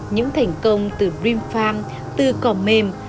những thành công từ vinfarm từ còm mềm